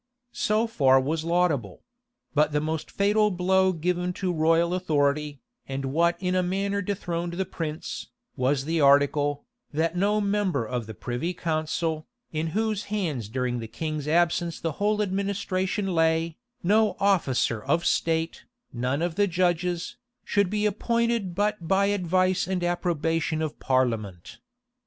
[*] So far was laudable: but the most fatal blow given to royal authority, and what in a manner dethroned the prince, was the article, that no member of the privy council, in whose hands during the king's absence the whole administration lay, no officer of state, none of the judges, should be appointed but by advice and approbation of parliament.